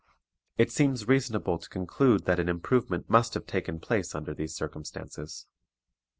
It seems reasonable to conclude that an improvement must have taken place under these circumstances.